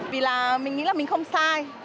vì là mình nghĩ là mình không sai